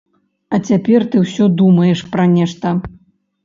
А цяпер ты ўсё думаеш пра нешта.